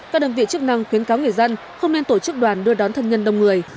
các đơn vị chức năng khuyến cáo người dân không nên tổ chức đoàn đưa đón thân nhân đông người